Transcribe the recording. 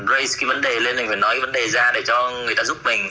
raise cái vấn đề lên mình phải nói cái vấn đề ra để cho người ta giúp mình